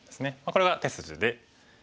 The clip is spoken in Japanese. これが手筋で。